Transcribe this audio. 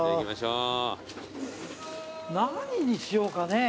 何にしようかね？